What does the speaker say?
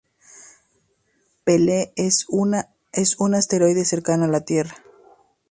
Pele es un asteroide cercano a la Tierra.